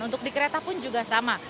untuk di kereta pun juga sama